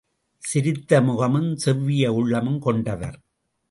சிரித்த முகமும், செவ்விய உள்ளமும் கொண்டவர்.